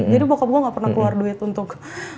jadi bokap gue gak pernah keluar duit untuk